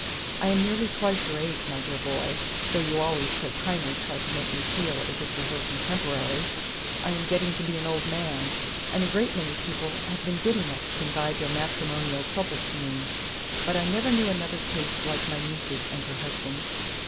I am nearly twice your age, my dear boy, though you always so kindly try to make me feel as if we were contemporaries I am getting to be an old man, and a great many people have been good enough to confide their matrimonial troubles to me; but I never knew another case like my niece's and her husband's.